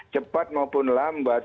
cepat maupun lambat